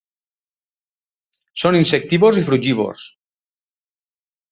Són insectívors i frugívors.